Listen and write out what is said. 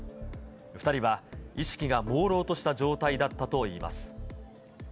２人は意識がもうろうとした状態だったといいます。